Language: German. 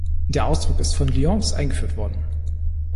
Der Ausdruck ist von Lyons eingeführt worden.